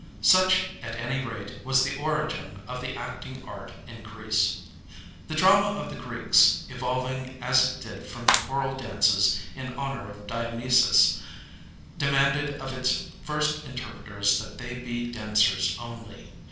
Such, at any rate, was the origin of the acting art in Greece. The drama of the Greeks, evolving as it did from the choral dances in honor of Dionysus, demanded of its first interpreters that they be dancers only.